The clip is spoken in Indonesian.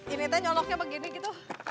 ini teh nyoloknya begini gitu